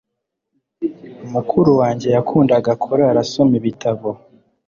Mukuru wanjye yakundaga kurara asoma ibitabo.